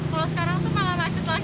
kalau sekarang malah macet lagi